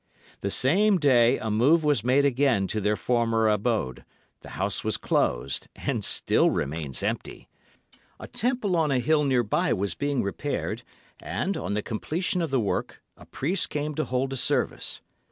"The same day a move was made again to their former abode, the house was closed, and still remains empty. A temple on a hill near by was being repaired, and, on the completion of the work, a priest came to hold a service.